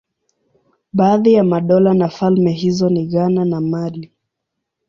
Baadhi ya madola na falme hizo ni Ghana na Mali.